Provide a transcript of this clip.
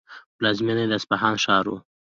پلازمینه یې د اصفهان ښار و.